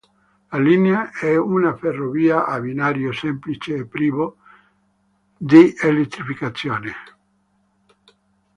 La linea è una ferrovia a binario semplice e privo di elettrificazione.